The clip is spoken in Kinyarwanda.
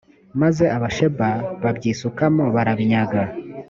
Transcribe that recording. maze abasheba babyisukamo barabinyaga